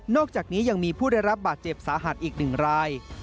อกจากนี้ยังมีผู้ได้รับบาดเจ็บสาหัสอีก๑ราย